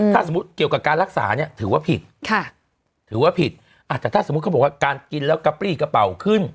ถ้าสมมุติเกี่ยวกับการรักษาเนี่ยถือว่าผิดถือว่าผิดแต่ถ้าสมมุติเขาบอกว่าการกินแล้วกะปรี้กระเป๋าขึ้น